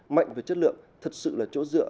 mạnh và chất lượng thật sự là chỗ dựa